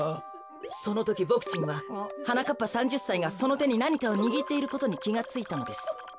そのときボクちんははなかっぱ３０さいがそのてになにかをにぎっていることにきがついたのです。